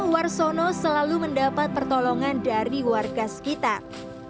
warsono selalu mendapat pertolongan dari warga sekitar